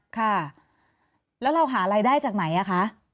ค่ะแล้วเราหารายได้จากไหนอะคะ